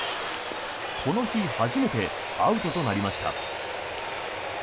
この日初めてアウトとなりました。